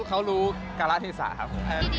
เขารู้กราธิศาสตร์ครับ